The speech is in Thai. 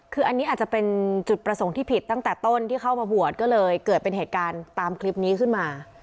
คืออันนี้อาจจะเป็นจุดประสงค์ที่ผิดตั้งแต่ต้นที่เข้ามาบวชก็เลยเกิดเป็นเหตุการณ์ตามคลิปนี้ขึ้นมา